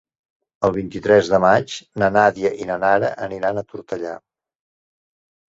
El vint-i-tres de maig na Nàdia i na Nara aniran a Tortellà.